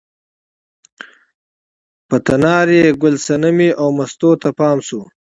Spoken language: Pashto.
په تنار یې ګل صنمې او مستو ته پام شو.